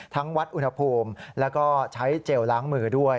วัดอุณหภูมิแล้วก็ใช้เจลล้างมือด้วย